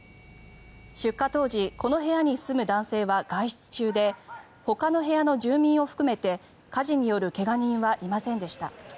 出火当時この部屋に住む男性は外出中でほかの部屋の住民を含めて火事による怪我人はいませんでした。